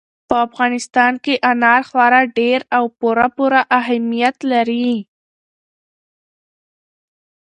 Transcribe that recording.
په افغانستان کې انار خورا ډېر او پوره پوره اهمیت لري.